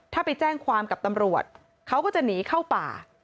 ถ้าไปแจ้งความกับตำรวจเขาก็จะหนีเข้าป่า